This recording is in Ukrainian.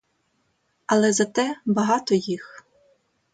Але зате багато їх.